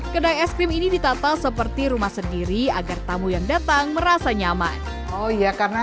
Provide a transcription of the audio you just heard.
kedai es krim ini ditata seperti rumah sendiri agar tamu yang datang merasa nyaman oh iya karena